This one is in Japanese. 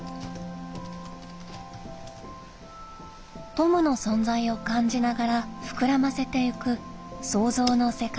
トムの存在を感じながら膨らませていく創造の世界。